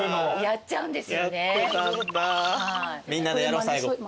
みんなでやろう最後。